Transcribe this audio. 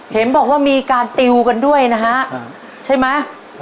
เห็นบอกว่ามีการติวกันด้วยนะฮะใช่ไหม